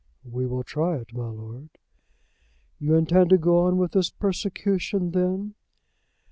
"We will try it, my lord." "You intend to go on with this persecution then?"